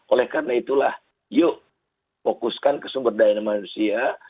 oleh karena itulah yuk fokuskan ke sumber daya manusia